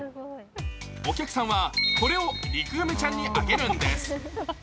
お客さんはこれをリクガメちゃんにあげるんです。